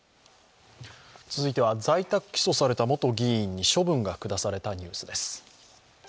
続いては、在宅起訴された元議員に処分が下されたニュースです。